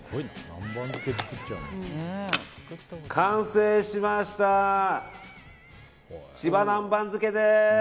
完成しました、千葉南蛮漬けです。